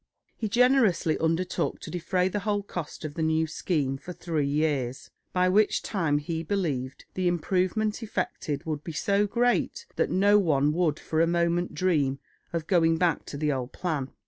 He generously undertook to defray the whole cost of the new scheme for three years, by which time he believed the improvement effected would be so great that no one would for a moment dream of going back to the old plan.